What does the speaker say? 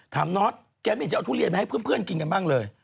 น็อตแกไม่เห็นจะเอาทุเรียนมาให้เพื่อนกินกันบ้างเลย